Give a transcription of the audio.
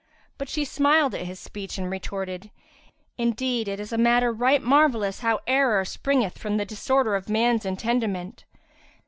But she smiled at his speech and retorted, "Indeed, it is a matter right marvellous how error springeth from the disorder of man's intendiment!!